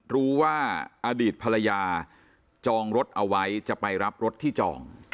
รู้ว่าอดีตภรรยาจองรถเอาไว้จะไปรับรถที่จอง